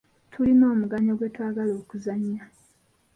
Tulina omugannyo gwe twagala okuzannya.